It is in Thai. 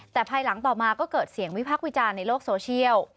แต่ภายหลังต่อมาก็เกิดเสียงวิพักษ์วิจารณ์ในโลกโซเชียล